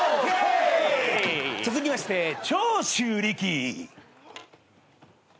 続きまして長州力。